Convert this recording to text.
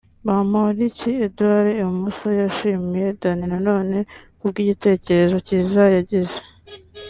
Bamporiki Edouard(ibumoso) yashimiye Dany Nanone kubw'igitekerezo kiza yagize